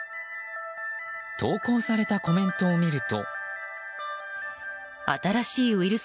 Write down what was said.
投稿されたコメントを見ると。